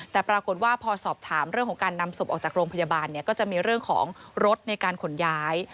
แต่ปรากฏว่าพอสอบถามเรื่องของการนำศพออกจากโรงพยาบาลเนี่ยก็จะมีเรื่องของรถในการขนย้าย